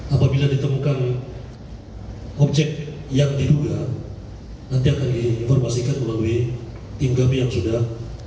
apabila ditemukan objek yang diduga nanti akan diinformasikan melalui tim kami yang sudah